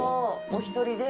お一人で？